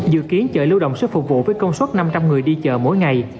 dự kiến chợ lưu động sẽ phục vụ với công suất năm trăm linh người đi chợ mỗi ngày